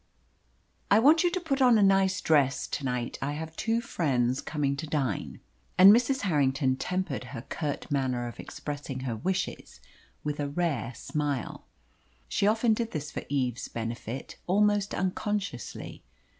"I want you to put on a nice dress to night. I have two friends coming to dine." Eve looked up from the book she was reading, and Mrs. Harrington tempered her curt manner of expressing her wishes with a rare smile. She often did this for Eve's benefit, almost unconsciously.